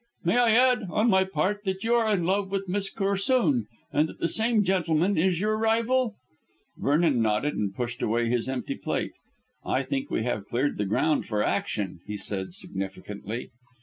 May I add, on my part, that you are in love with Miss Corsoon, and that the same gentleman is your rival?" Vernon nodded and pushed away his empty plate. "I think we have cleared the ground for action," he said significantly.